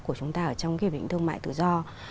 của chúng ta ở trong cái vịnh thương mại tự do